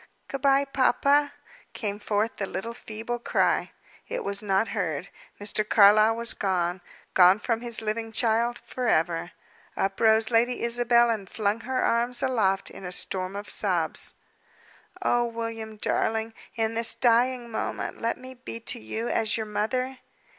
"Good bye, papa!" came forth the little feeble cry. It was not heard. Mr. Carlyle was gone, gone from his living child forever. Up rose Lady Isabel, and flung her arms aloft in a storm of sobs! "Oh, William, darling! in this dying moment let me be to you as your mother!"